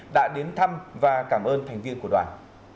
đã đến thăm và cảm ơn thành viên của đoàn